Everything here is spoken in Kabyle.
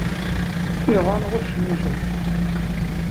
iḍan ɣuccen imcac.